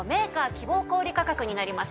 希望小売価格になります。